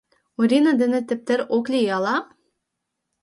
Орина дене тептер ок лий ала...